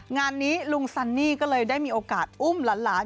งานนี้ลุงซันนี่ก็เลยได้มีโอกาสอุ้มหลาน